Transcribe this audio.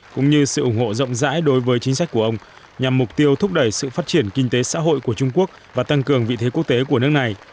cũng như sự ủng hộ rộng rãi đối với chính sách của ông nhằm mục tiêu thúc đẩy sự phát triển kinh tế xã hội của trung quốc và tăng cường vị thế quốc tế của nước này